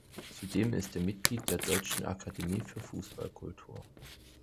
Zudem ist er Mitglied der Deutschen Akademie für Fußball-Kultur.